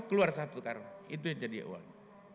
keluar satu karung itu yang jadi uang